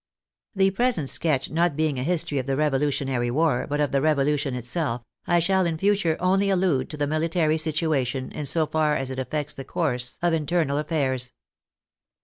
The present sketch not being a his tory of the revolutionary war, but of the Revolution it self, I shall in future only allude to the military situation in so far as it affects the course of internal affairs.